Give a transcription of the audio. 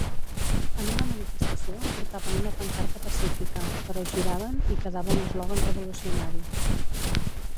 En una manifestació portaven una pancarta pacífica, però es giraven i quedava un eslògan revolucionari.